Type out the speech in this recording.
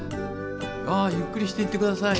ああゆっくりしていって下さい。